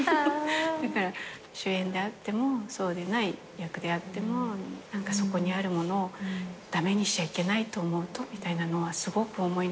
だから主演であってもそうでない役であってもそこにあるものを駄目にしちゃいけないと思うとみたいなのはすごく思いながらいます。